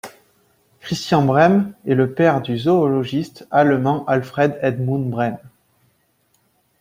Christian Brehm est le père du zoologiste allemand Alfred Edmund Brehm.